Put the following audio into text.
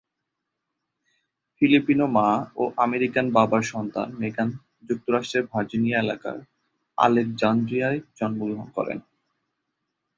Filipino মা ও American বাবার সন্তান মেগান যুক্তরাষ্ট্রের ভার্জিনিয়া এলাকার আলেকজান্দ্রিয়ায় জন্মগ্রহণ করেন।